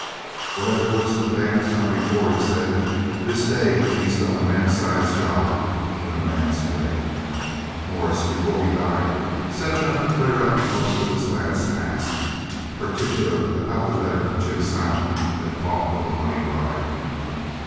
"Whatever Whistlin' Dan has done before," he said, "this day he's done a man sized job in a man's way. Morris, before he died, said enough to clear up most of this lad's past, particular about the letter from Jim Silent that talked of a money bribe.